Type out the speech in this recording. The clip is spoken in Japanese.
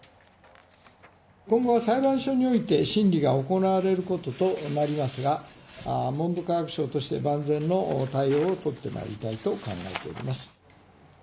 今後は裁判所において審理が行われることとなりますが、文部科学省として万全の対応を取ってまいりたいと考えております。